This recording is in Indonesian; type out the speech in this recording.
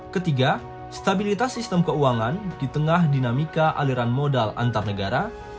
ketiga stabilitas sistem keuangan di tengah dinamika aliran modal antar negara